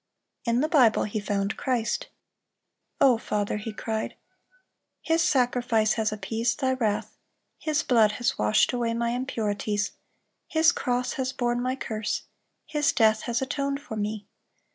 In the Bible he found Christ. "O Father," he cried, "His sacrifice has appeased Thy wrath; His blood has washed away my impurities; His cross has borne my curse; His death has atoned for me.